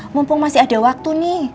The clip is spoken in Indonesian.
mumpung masih ada waktu nih